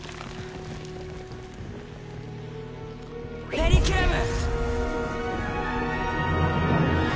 ペリキュラム！